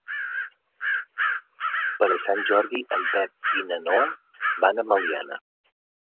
Per Sant Jordi en Pep i na Noa van a Meliana.